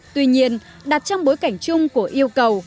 tuy nhiên đặt trong bối cảnh chung của yêu cầu